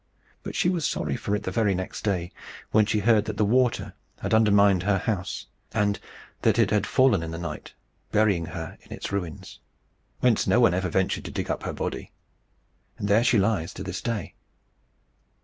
But she was sorry for it the very next day, when she heard that the water had undermined her house, and that it had fallen in the night, burying her in its ruins; whence no one ever ventured to dig up her body. There she lies to this day.